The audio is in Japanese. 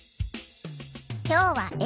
今日は笑